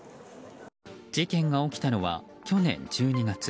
事件が起きたのは去年１２月。